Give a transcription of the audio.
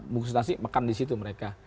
bukus nasi makan di situ mereka